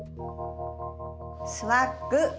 スワッグ。